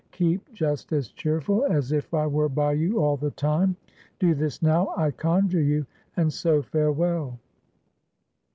Keep just as cheerful as if I were by you all the time. Do this, now, I conjure you; and so farewell!"